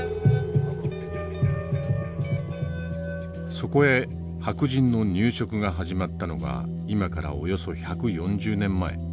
そこへ白人の入植が始まったのが今からおよそ１４０年前。